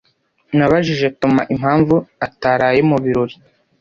Nabajije Toma impamvu ataraye mu birori.